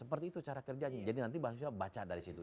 seperti itu cara kerjanya jadi nanti mahasiswa baca dari situ